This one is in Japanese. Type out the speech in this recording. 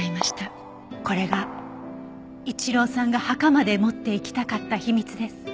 これが一郎さんが墓まで持っていきたかった秘密です。